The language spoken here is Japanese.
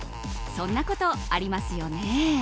そんなことありますよね？